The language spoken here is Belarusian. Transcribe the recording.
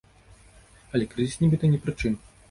Але крызіс нібыта ні пры чым.